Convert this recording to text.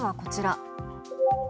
まずはこちら。